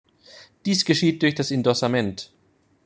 Dies geschieht durch das Indossament.